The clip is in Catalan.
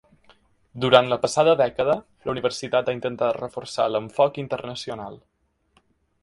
Durant la passada dècada, la universitat ha intentat reforçar l'enfoc internacional.